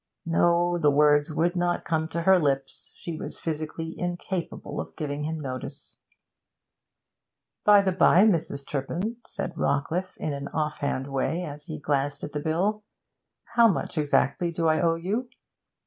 No; the words would not come to her lips; she was physically incapable of giving him notice. 'By the bye, Mrs. Turpin,' said Rawcliffe in an offhand way, as he glanced at the bill, 'how much exactly do I owe you?'